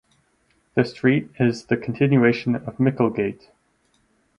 The street is the continuation of Micklegate.